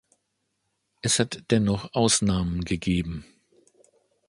Es hat dennoch Ausnahmen gegeben.